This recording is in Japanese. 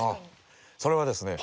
それはですね